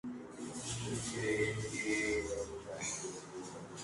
La Chapelle-Vendômoise